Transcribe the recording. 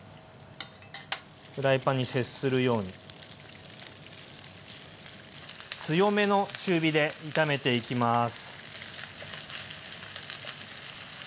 フライパンに接するように強めの中火で炒めていきます。